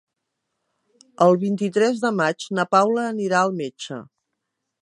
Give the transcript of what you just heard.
El vint-i-tres de maig na Paula anirà al metge.